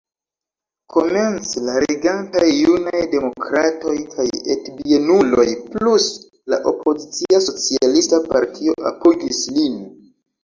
Komence la regantaj Junaj Demokratoj kaj Etbienuloj plus la opozicia Socialista Partio apogis lin.